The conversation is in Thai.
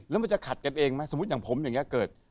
แล้วมันจะขัดกันเองไหมสมมุติพออย่างผมเกิด